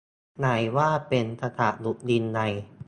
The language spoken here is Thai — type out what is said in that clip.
ไหนว่าเป็น "ประกาศหยุดยิง" ไง